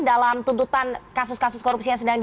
dalam tuntutan kasus kasus korupsi yang sedang